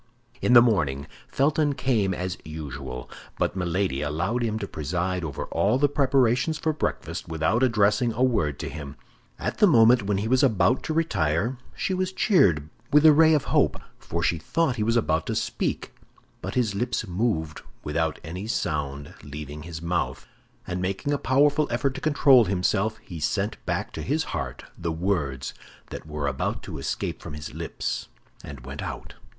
In the morning, Felton came as usual; but Milady allowed him to preside over all the preparations for breakfast without addressing a word to him. At the moment when he was about to retire, she was cheered with a ray of hope, for she thought he was about to speak; but his lips moved without any sound leaving his mouth, and making a powerful effort to control himself, he sent back to his heart the words that were about to escape from his lips, and went out.